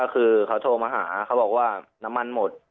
คือเขาโทรมาหาเขาบอกว่าน้ำมันหมด